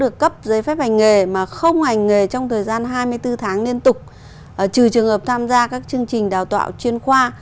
được cấp giấy phép hành nghề mà không hành nghề trong thời gian hai mươi bốn tháng liên tục trừ trường hợp tham gia các chương trình đào tạo chuyên khoa